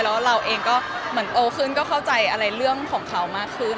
แล้วเราเองก็เหมือนโตขึ้นก็เข้าใจอะไรเรื่องของเขามากขึ้น